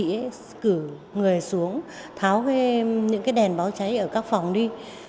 chúng tôi sẽ cử người xuống tháo những cái đèn báo cháy ở các phòng đi